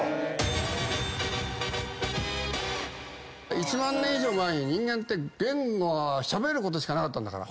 １万年以上前に人間って言語はしゃべることしかなかったんだから。